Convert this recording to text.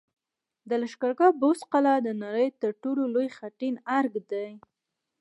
د لښکرګاه بست قلعه د نړۍ تر ټولو لوی خټین ارک دی